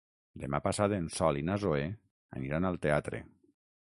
Demà passat en Sol i na Zoè aniran al teatre.